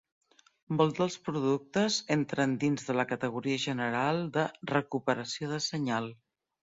Molts dels productes entren dins de la categoria general de "recuperació de senyal".